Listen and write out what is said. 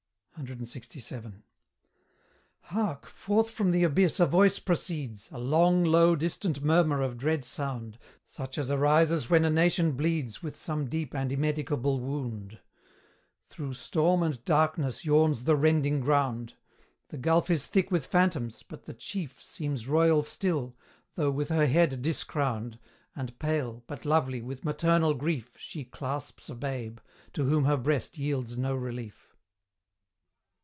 CLXVII. Hark! forth from the abyss a voice proceeds, A long, low distant murmur of dread sound, Such as arises when a nation bleeds With some deep and immedicable wound; Through storm and darkness yawns the rending ground. The gulf is thick with phantoms, but the chief Seems royal still, though with her head discrowned, And pale, but lovely, with maternal grief She clasps a babe, to whom her breast yields no relief.